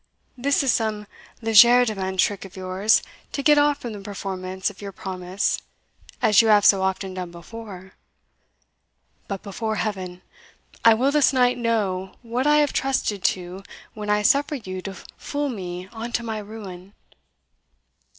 this is some legerdemain trick of yours to get off from the performance of your promise, as you have so often done before. But, before Heaven! I will this night know what I have trusted to when I suffered you to fool me on to my ruin!